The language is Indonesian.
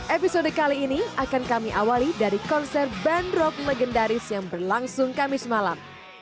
episode kali ini akan kami awali dari konser band rock legendaris yang berlangsung kamis malam